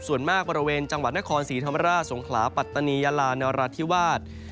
ส่วนมากบริเวณจังหวัดนครศรีธรรมราชสงขลาปัตตานียาลานราธิวาส